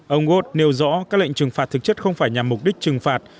ông misha engot nêu rõ các lệnh trừng phạt thực chất không phải nhằm mục đích trừng phạt